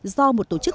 do một tổ chức